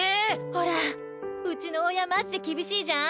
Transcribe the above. ほらうちのおやまじできびしいじゃん。